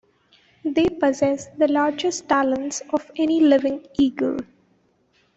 They possess the largest talons of any living eagle.